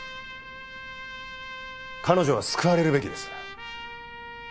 彼女は救われるべきです。